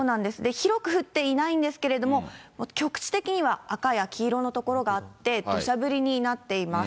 広く降っていないんですけれども、局地的には赤や黄色の所があって、どしゃ降りになっています。